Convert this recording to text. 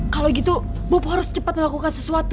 kalau gitu bob harus cepat melakukan sesuatu